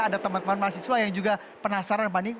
ada teman teman mahasiswa yang juga penasaran pak anies